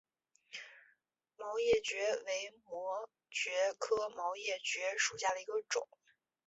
毛叶蕨为膜蕨科毛叶蕨属下的一个种。